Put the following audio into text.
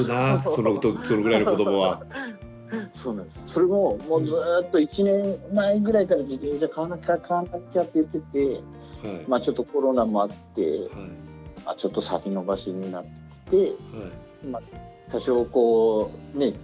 それももうずっと１年前ぐらいから自転車買わなきゃ買わなきゃって言っててまあちょっとコロナもあってちょっと先延ばしになって多少こうね